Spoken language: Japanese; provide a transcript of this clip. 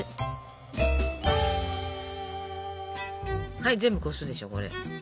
はい全部こすでしょこれ。